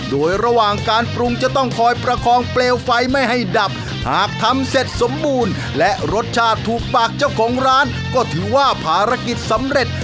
โดยระหว่างการปรุงจะต้องคอยประคองเปลวไฟไม่ให้ดับหากทำเสร็จสมบูรณ์และรสชาติถูกปากเจ้าของร้านก็ถือว่าภารกิจสำเร็จ